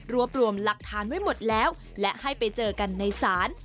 รวมรวมหลักฐานไว้หมดแล้วและให้ไปเจอกันในศาล